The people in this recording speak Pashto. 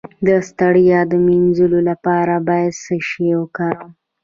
د ستړیا د مینځلو لپاره باید څه شی وکاروم؟